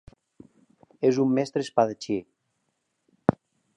És un mestre espadatxí.